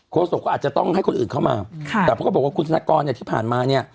โศกก็อาจจะต้องให้คนอื่นเข้ามาค่ะแต่เพราะก็บอกว่าคุณธนกรเนี่ยที่ผ่านมาเนี่ย